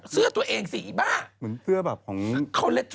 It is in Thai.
เสื้อตัวเองสิบ้า